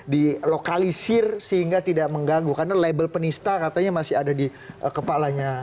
dilokalisir sehingga tidak mengganggu karena label penista katanya masih ada di kepalanya